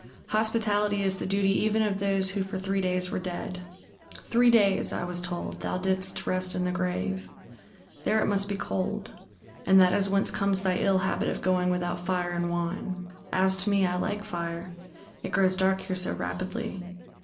"Hospitality is the duty even of those who for three days were dead. Three days, I was told, thou didst rest in the grave. There it must be cold ... and that is whence comes thy ill habit of going without fire and wine. As to me, I like fire; it grows dark here so rapidly....